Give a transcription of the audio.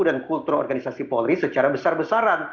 kultur organisasi polri secara besar besaran